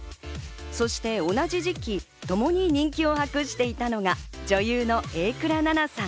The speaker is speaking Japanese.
そして同じ時期、ともに人気を博していたのが女優の榮倉奈々さん。